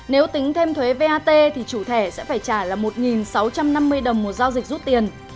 nếu tính thêm thuế vat thì chủ thẻ sẽ phải trả là một sáu trăm năm mươi đồng một giao dịch rút tiền